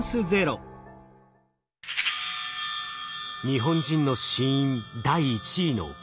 日本人の死因第１位のがん。